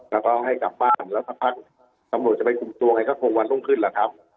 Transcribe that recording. แล้วก็ให้กลับบ้านแล้วสักพักตำรวจจะไปคุมตัวไงก็คงวันต้องขึ้นแหละครับ